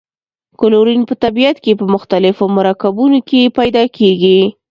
کلورین په طبیعت کې په مختلفو مرکبونو کې پیداکیږي.